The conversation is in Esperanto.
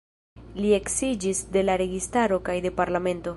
Li eksiĝis de la registaro kaj de parlamento.